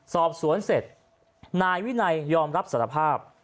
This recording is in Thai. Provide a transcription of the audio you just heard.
สอบสวนเสร็จนายวินัยยอมรับสารภาพ